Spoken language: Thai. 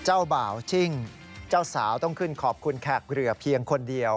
เจ้าบ่าวจิ้งเจ้าสาวต้องขึ้นขอบคุณแขกเหลือเพียงคนเดียว